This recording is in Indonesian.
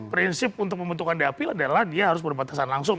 prinsip untuk pembentukan dapil adalah dia harus berbatasan langsung